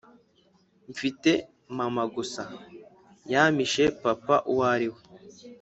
Mpfite mama gusa yampishe papa uwariwe